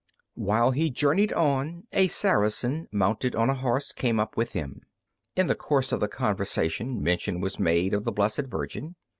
While he journeyed on, a Saracen mounted on a horse came up with him. In the course of the conversation mention was made of the Blessed Virgin.